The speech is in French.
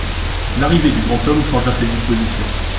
L'arrivée du grand homme changea ses dispositions.